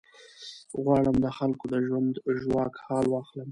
غواړم د خلکو د ژوند ژواک حال واخلم.